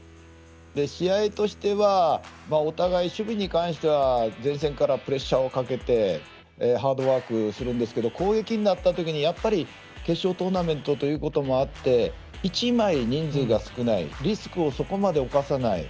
試合としてはお互い、守備に関しては前線からプレッシャーをかけてハードワークするんですけど攻撃になったときに、やっぱり決勝トーナメントということもあって１枚人数が少ないリスクをそこまで冒さない。